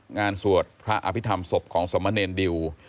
สวดพระอภิษฐรรมศพของสมเนรดิว